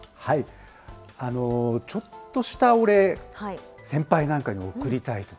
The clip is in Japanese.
ちょっとしたお礼、先輩なんかに贈りたい。